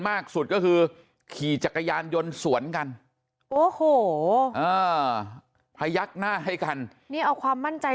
มากสุดก็คือขี่จักรยานยนต์สวนกันโอ้โหพยักหน้าให้กันนี่เอาความมั่นใจ